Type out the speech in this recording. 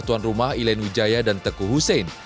tuan rumah elaine wijaya dan tengku hushen